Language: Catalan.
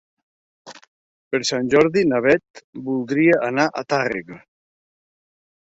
Per Sant Jordi na Beth voldria anar a Tàrrega.